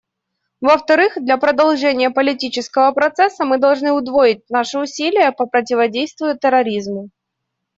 Во-вторых, для продолжения политического процесса мы должны удвоить наши усилия по противодействию терроризму.